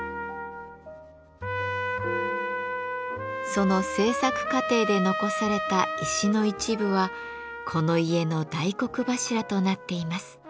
その制作過程で残された石の一部はこの家の大黒柱となっています。